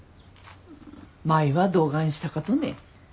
舞はどがんしたかとね？